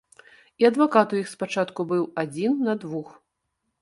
І адвакат у іх спачатку быў адзін на двух.